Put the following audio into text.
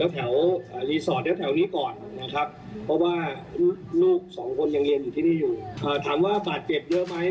ถามว่าปากเก็บเยอะไหม